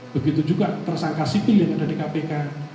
begitu juga tersangka sipil yang ada di kpk